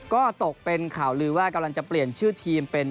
ก็ตกเป็นข่าวลือว่ากำลังจะเปลี่ยนชื่อทีมเป็น